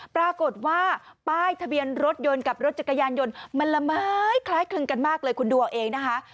ปรากฏว่าป้ายทะเบียนรถยนต์กับรถจักรยานยนต์มันละไม้คล้ายคลึงกันมากเลยคุณดูเอาเองนะคะ